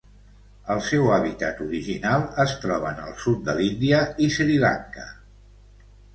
El seu hàbitat original es troba en el sud de l'Índia i Sri Lanka.